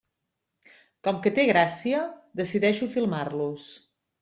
Com que té gràcia, decideixo filmar-los.